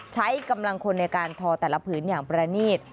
ใช้กำลังคนในการทอแต่ละผืนอย่างประนีต